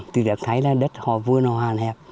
tôi đã thấy là đất họ vươn họ hàn hẹp